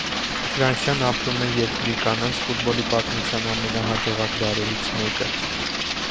Ֆրանսիան ապրում է երկրի կանանց ֆուտբոլի պատմության ամենահաջողակ դարերից մեկը։